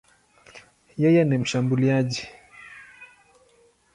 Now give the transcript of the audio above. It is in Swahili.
Yeye ni mshambuliaji.